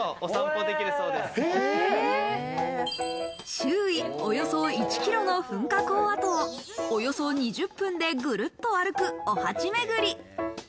周囲およそ１ｋｍの噴火口跡をおよそ２０分でグルっと歩く、お鉢めぐり。